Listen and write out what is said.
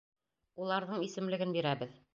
Уларҙың исемлеген бирәбеҙ.